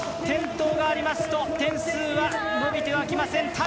転倒がありますと点数は伸びてはきません。